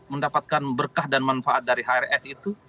mendapatkan berkah dan manfaat dari hrs itu